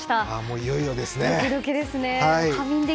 いよいよですね。